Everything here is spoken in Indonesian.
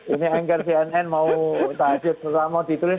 ini anger cnn mau tahajud selama mau ditulis